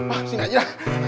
ah sini aja